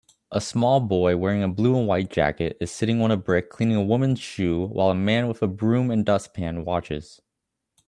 A small boy wearing a blue and white jacket is sitting on a brick cleaning a woman s shoes while a man with a broom and dustpan watches